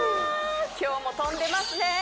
今日も跳んでますね